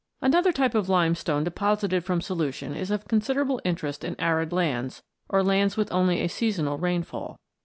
Another type of limestone deposited from solution is of considerable interest in arid lands, or lands with only a seasonal rainfall.